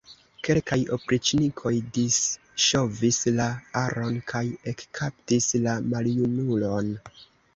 Kelkaj opriĉnikoj disŝovis la aron kaj ekkaptis la maljunulon.